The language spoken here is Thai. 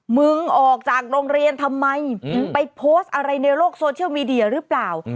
มึงออกจากโรงเรียนทำไมไปโพสต์อะไรในโลกโซเชียลมีเดียหรือเปล่า